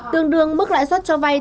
tương đương mức lãi suất cho vai